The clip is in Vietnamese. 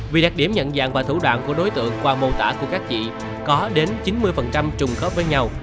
vì đặc điểm nhận dạng và thủ đoạn của đối tượng qua mô tả của các chị có đến chín mươi trùng khớp với nhau